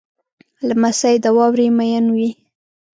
لمسی د واورې مین وي.